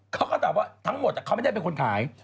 เขาก็ตอบว่าทั้งหมดเขาไม่ได้เป็นคนขาย